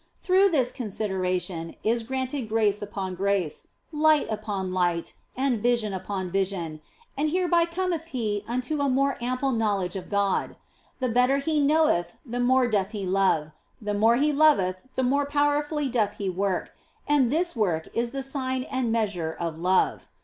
Through this consideration is granted grace upon grace, light upon light, and vision upon vision, and hereby cometh he unto a more ample knowledge of God. The better he knoweth the more doth he love, the more he loveth the more powerfully doth he work, and this work is the sign and measure of love.